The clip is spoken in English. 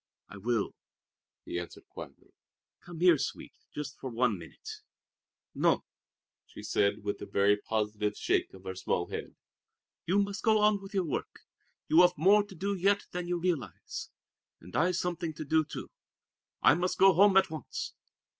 "I will," he answered quietly. "Come here, Sweet, just for one minute!" "No," she said with a very positive shake of her small head. "You must go on with your work. You have more to do yet than you realize. And I've something to do, too. I must go home at once."